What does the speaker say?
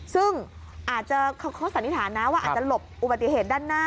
ซึ่งอาจจะเขาสันนิษฐานนะว่าอาจจะหลบอุบัติเหตุด้านหน้า